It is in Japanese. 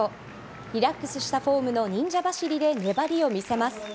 リラックスしたフォームの忍者走りで粘りを見せます。